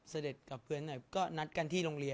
สงฆาตเจริญสงฆาตเจริญ